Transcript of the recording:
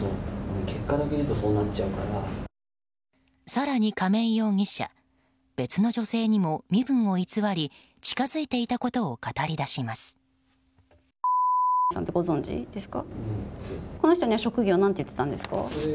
更に亀井容疑者別の女性にも身分を偽り近づいていたことを語り出します。